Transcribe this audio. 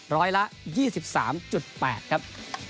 ร้อยละ๒๓๘ครับ